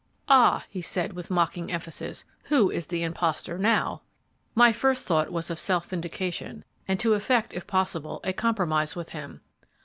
"'Ah!' he said, with mocking emphasis, 'who is the impostor now?' "My first thought was of self vindication, and to effect, if possible, a compromise with him.